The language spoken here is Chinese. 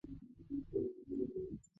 圣让德巴尔鲁。